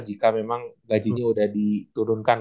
jika memang gajinya sudah diturunkan